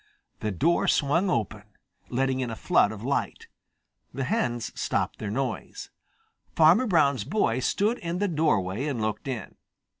The door swung open, letting in a flood of light. The hens stopped their noise. Farmer Brown's boy stood in the doorway and looked in.